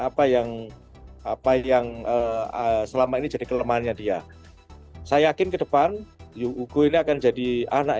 apa yang apa yang selama ini jadi kelemahannya dia saya yakin ke depan yuk ini akan jadi anak